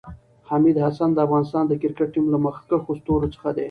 حمید حسن د افغانستان د کريکټ ټیم له مخکښو ستورو څخه ده